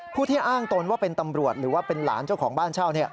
ผู้ที่อ้างตนว่าเป็นตำรวจหรือว่าเป็นหลานเจ้าของบ้านเช่า